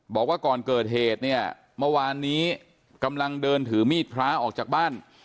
บอกว่าก่อนเกิดเหตุเนี่ยเมื่อวานนี้กำลังเดินถือมีดพระออกจากบ้าน